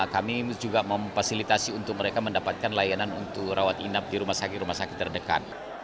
kami juga memfasilitasi untuk mereka mendapatkan layanan untuk rawat inap di rumah sakit rumah sakit terdekat